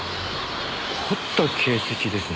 掘った形跡ですね。